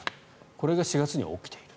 これが４月に起きている。